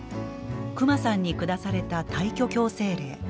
クマさんに下された退去強制令。